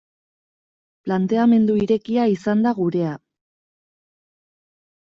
Planteamendu irekia izan da gurea.